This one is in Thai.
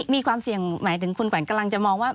มีความเสี่ยงหมายถึงคุณขวัญกำลังจะมองว่า